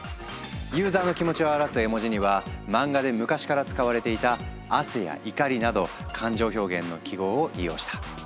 ユーザーの気持ちを表す絵文字には漫画で昔から使われていた汗や怒りなど感情表現の記号を利用した。